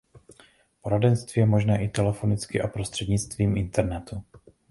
Poradenství je možné i telefonicky a prostřednictvím internetu.